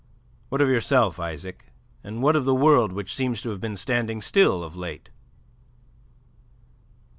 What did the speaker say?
What of yourself, Isaac? And what of the world which seems to have been standing still of late?"